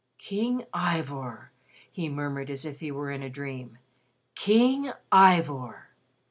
"King Ivor!" he murmured as if he were in a dream. "King Ivor!"